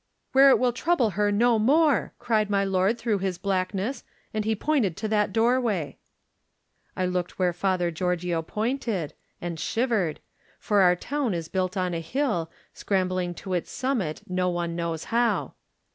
"* Where it will trouble her no more,' cried my lord through his blackness, and he pointed to that doorway." I looked where Father Giorgio pointed, and shivered, for our town is built on a hill, scrambling to its summit no one knows how.